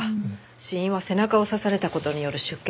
死因は背中を刺された事による出血性ショック死。